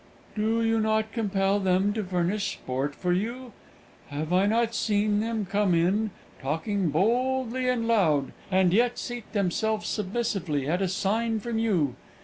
"Do you not compel them to furnish sport for you? Have I not seen them come in, talking boldly and loud, and yet seat themselves submissively at a sign from you?